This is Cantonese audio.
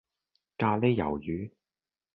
咖哩魷魚